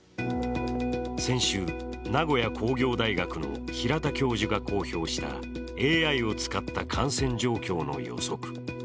先週、名古屋工業大学の平田教授が公表したＡＩを使った感染状況の予測。